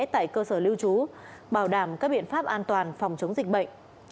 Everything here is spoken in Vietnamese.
tại cơ sở lưu trú bảo đảm các biện pháp an toàn phòng chống dịch bệnh